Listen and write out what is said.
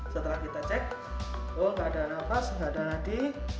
setelah kita cek oh keadaan nafas keadaan adik